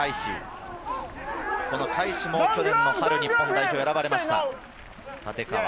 海士も去年の春、日本代表に選ばれました。